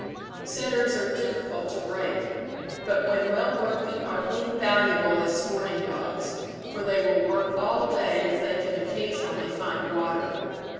Setters are difficult to break; but when well broken are invaluable as sporting dogs, for they will work all day if they can occasionally find water.